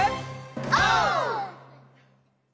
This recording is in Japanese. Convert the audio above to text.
オー！